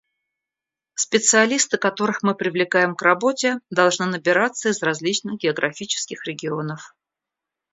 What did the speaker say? Специалисты, которых мы привлекаем к работе, должны набираться из различных географических регионов.